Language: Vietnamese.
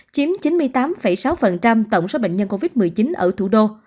chiếm chín mươi tám sáu tổng số bệnh nhân covid một mươi chín ở thủ đô